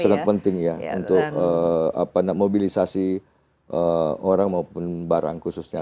sangat penting ya untuk mobilisasi orang maupun barang khususnya